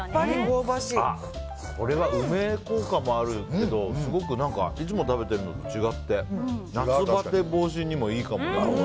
これは梅効果もあるけどすごくいつも食べてるのと違って夏バテ防止にもいいかも。